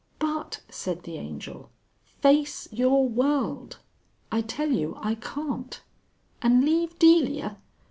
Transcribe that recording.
"But," said the Angel. "Face your world! I tell you I can't. And leave Delia!